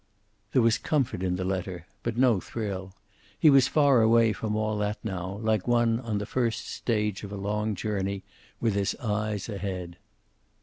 There was comfort in the letter, but no thrill. He was far away from all that now, like one on the first stage of a long journey, with his eyes ahead.